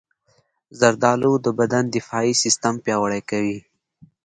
زردالو د بدن دفاعي سیستم پیاوړی کوي.